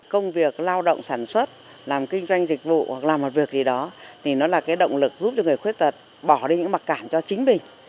công việc lao động sản xuất làm kinh doanh dịch vụ hoặc làm một việc gì đó thì nó là cái động lực giúp cho người khuyết tật bỏ đi những mặc cảm cho chính mình